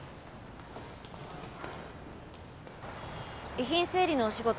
遺品整理のお仕事